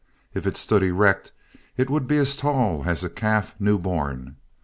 If it stood erect it would be as tall as a calf new born.